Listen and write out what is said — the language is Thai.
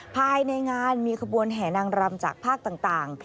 ภายในงานมีขบวนแห่นางรำจากภาคต่าง